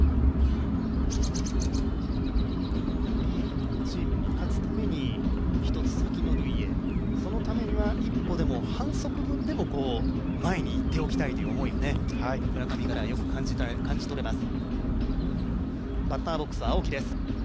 よりチームが勝つために１つ先の塁へ、そのためには一歩でも、半足分でも前にいっておきたいという思いが村上からはよく感じ取られます。